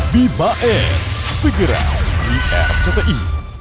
bibae segera di rcti